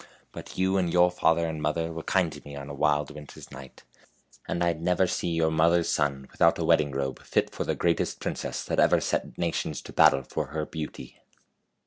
But you and your father and mother were kind to me on a wild winter's night, and I'd never see your mother's son without a wedding robe fit for the greatest princess that ever set nations to battle for her beauty.